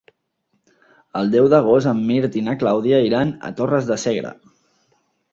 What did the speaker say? El deu d'agost en Mirt i na Clàudia iran a Torres de Segre.